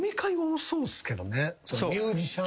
ミュージシャン。